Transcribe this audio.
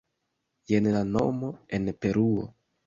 Jen la nomo en Peruo.